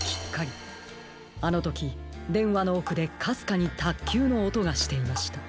あのときでんわのおくでかすかにたっきゅうのおとがしていました。